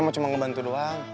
saya cuma mau ngebantu doang